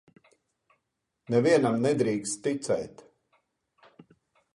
Nevienam nedrīkst ticēt.